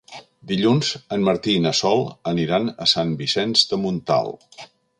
Dilluns en Martí i na Sol aniran a Sant Vicenç de Montalt.